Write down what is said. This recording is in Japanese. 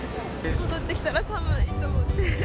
戻ってきたら寒いと思って。